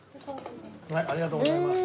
ありがとうございます。